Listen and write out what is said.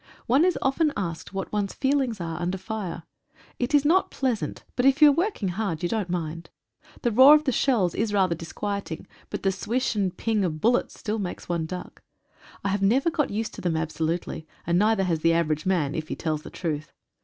One is often asked what one's feelings are under fire. It is not plea sant, but if you are working hard you don't mind. The roar of the shells is rather disquieting, but the swish and ping of bullets still makes one duck. I have never got used to them absolutely, and neither has the average man if he tells the truth.